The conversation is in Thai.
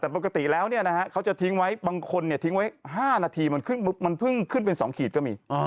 บางคนทิ้งไว้๕นาทีมันเพิ่งขึ้นเป็นสองขีดก็มี